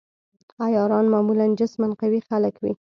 عیاران معمولاً جسماً قوي خلک وي.